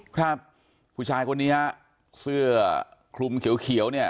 ครับผู้ชายคนนี้ฮะเสื้อคลุมเขียวเนี่ย